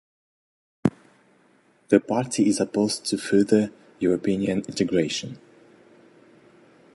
The party is opposed to further European integration.